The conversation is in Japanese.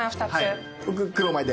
僕黒米で。